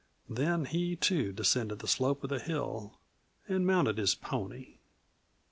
Then he, too, descended the slope of the hill and mounted his pony.